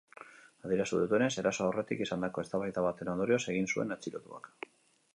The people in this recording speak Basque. Adierazi dutenez, erasoa aurretik izandako eztabaida baten ondorioz egin zuen atxilotuak.